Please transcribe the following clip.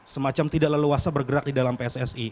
semacam tidak leluasa bergerak di dalam pssi